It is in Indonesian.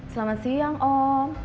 selamat siang om